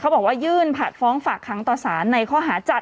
บอกว่ายื่นผัดฟ้องฝากค้างต่อสารในข้อหาจัด